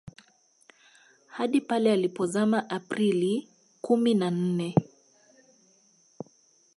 Hadi pale ilipozama Aprili kumi na nne